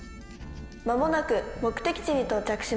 「間もなく目的地に到着します」。